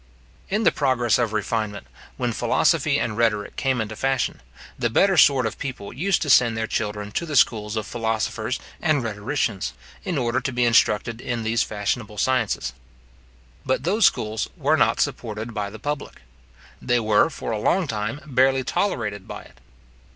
In the progress of refinement, when philosophy and rhetoric came into fashion, the better sort of people used to send their children to the schools of philosophers and rhetoricians, in order to be instructed in these fashionable sciences. But those schools were not supported by the public. They were, for a long time, barely tolerated by it.